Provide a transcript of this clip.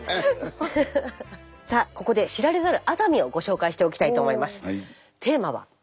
さあここで知られざる熱海をご紹介しておきたいと思います。